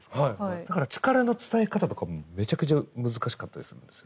だから力の伝え方とかもめちゃくちゃ難しかったりするんですよ。